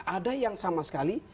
ada yang sama sekali